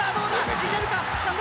行けるか？